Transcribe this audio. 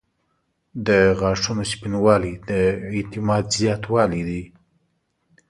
• د غاښونو سپینوالی د اعتماد زیاتوالی دی.